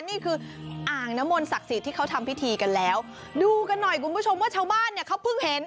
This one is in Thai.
นี่คืออ่างน้ำมนศักดิ์สิทธิ์ที่เขาทำพิธีกันแล้วดูกันหน่อยคุณผู้ชมว่าชาวบ้านเนี่ยเขาเพิ่งเห็น